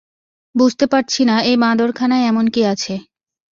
বুঝতে পারছি না এই বাঁদরখানায় এমন কী আছে।